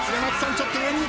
ちょっと上にいく。